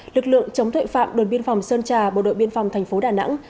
lực lượng chống tội phạm đồn biên phòng sơn trà bộ đội biên phòng thành phố đà nẵng